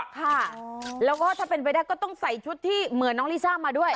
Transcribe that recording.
ค่ะแล้วก็ถ้าเป็นไปได้ก็ต้องใส่ชุดที่เหมือนน้องลิซ่ามาด้วย